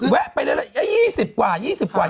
แวะไปเรื่อย๒๐กว่า๒๐กว่า